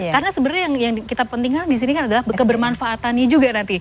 karena sebenarnya yang kita pentingkan di sini adalah kebermanfaatannya juga nanti